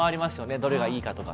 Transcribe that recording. どれがいいかとか。